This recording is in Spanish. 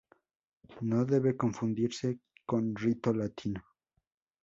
No debe confundirse con rito latino.